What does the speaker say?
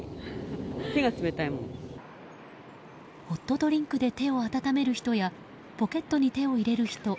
ホットドリンクで手を温める人やポケットに手を入れる人。